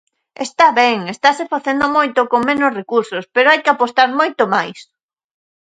¡Está ben, estase facendo moito con menos recursos, pero hai que apostar moito máis!